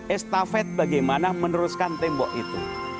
estafet bagaimana meneruskan tembok itu